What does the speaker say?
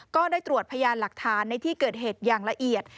ก็ได้ตรวจพยานหลักฐานในที่เกิดเหตุอย่างละเอียด